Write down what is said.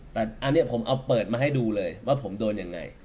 แต่อันนี้ผมเอาเปิดมาให้ดูเลยว่าผมโดนยังไง